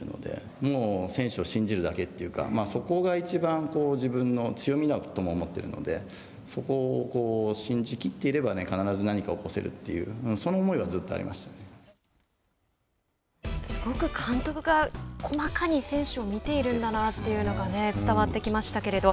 もう選手を信じるだけというかそこが一番自分の強みだとも思っているので、そこを信じ切っていれば必ず何か起こせるという、その思すごく監督が細かに選手を見ているんだなというのが伝わってきましたけれども。